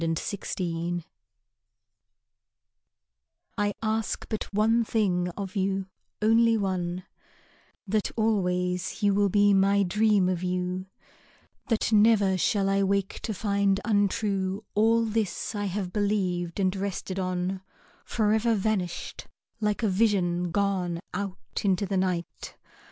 To a Friend I ask but one thing of you, only one, That always you will be my dream of you; That never shall I wake to find untrue All this I have believed and rested on, Forever vanished, like a vision gone Out into the night.